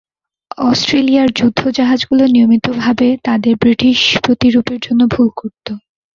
অস্ট্রেলীয় যুদ্ধজাহাজগুলো নিয়মিতভাবে তাদের ব্রিটিশ প্রতিরূপের জন্য ভুল করত।